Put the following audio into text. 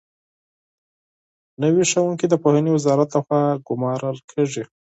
نوي ښوونکي د پوهنې وزارت لخوا ګومارل کېږي.